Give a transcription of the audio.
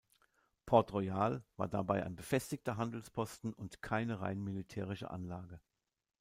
Port Royal war dabei ein befestigter Handelsposten und keine rein militärische Anlage.